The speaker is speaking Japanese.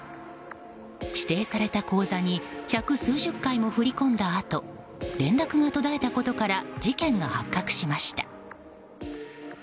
指定された口座に百数十回も振り込んだあと連絡が途絶えたことから事件が発覚しました。